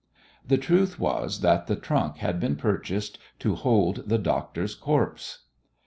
The truth was that that trunk had been purchased to hold the doctor's corpse!